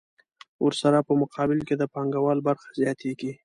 ورسره په مقابل کې د پانګوال برخه زیاتېږي